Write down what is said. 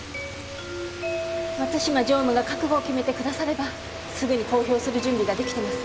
松島常務が覚悟を決めてくださればすぐに公表する準備が出来てます。